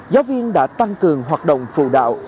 giáo viên đã tăng cường hoạt động phụ đạo